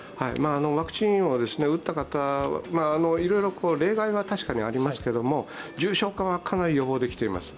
ワクチンを打った方、いろいろ例外は確かにありますけども重症化はかなり予防できています。